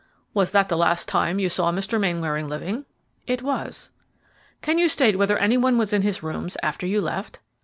"Was that the last time you saw Mr. Mainwaring living?" "It was." "Can you state whether any one was in his rooms after you left?"